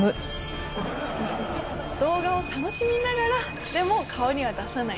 動画を楽しみながら、でも、顔には出さない。